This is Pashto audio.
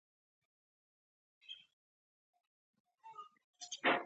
مسلمانان یې هیاتله یا هیتل بولي.